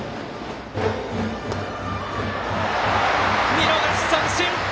見逃し三振！